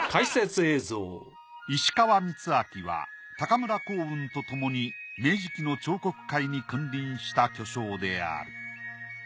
石川光明は村光雲とともに明治期の彫刻界に君臨した巨匠である。